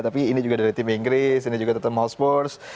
tapi ini juga dari tim inggris ini juga tetap hotspurs